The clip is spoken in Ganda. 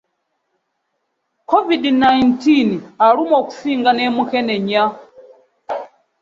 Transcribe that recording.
covid nineteen alumna okusinga ne mukenenya.